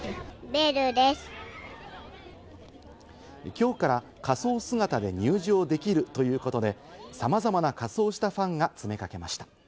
きょうから仮装姿で入場できるということで、さまざまな仮装したファンが詰めかけました。